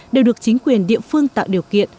đều được chính quyền địa phương tạo điều kiện